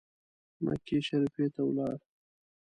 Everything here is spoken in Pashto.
مکې شریفي ته ولاړ.